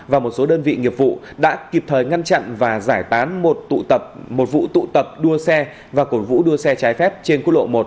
và một số đơn vị nghiệp vụ đã kịp thời ngăn chặn và giải tán một tụ tập một vụ tụ tập đua xe và cổ vũ đua xe trái phép trên quốc lộ một